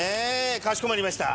かしこまりました。